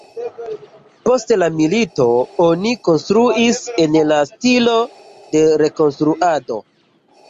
Post la milito oni konstruis en la stilo de rekonstruado.